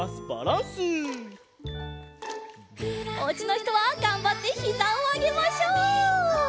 おうちのひとはがんばってひざをあげましょう！